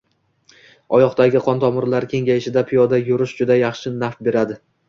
Oyoqdagi qon tomirlari kengayishida piyoda yurish juda yaxshi naf beradi.